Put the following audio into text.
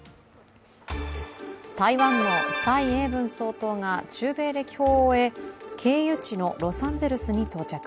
台湾の蔡英文総統が中米歴訪を終え経由地のロサンゼルスに到着。